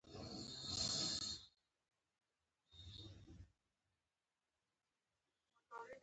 جاوید د طبلې غږ ته حیران پاتې شو